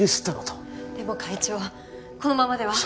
でも会長このままでは。